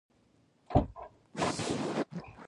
کویلیو سندرې ولیکلې.